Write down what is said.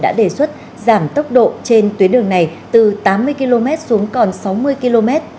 đã đề xuất giảm tốc độ trên tuyến đường này từ tám mươi km xuống còn sáu mươi km